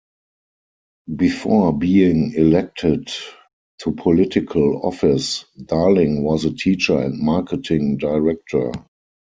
Before being elected to political office, Darling was a teacher and marketing director.